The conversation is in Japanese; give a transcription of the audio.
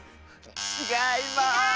ちがいます！